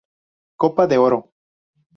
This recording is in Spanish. Copa de Oro.